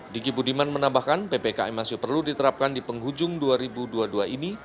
diki budiman menambahkan ppkm masih perlu diterapkan di penghujung dua ribu dua puluh dua ini